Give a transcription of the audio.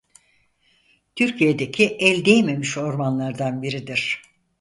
Türkiye'deki el değmemiş ormanlardan biridir.